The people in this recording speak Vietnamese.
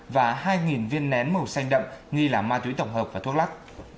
và hai viên nén màu xanh đậm nghi là ma túy tổng hợp và thuốc lắc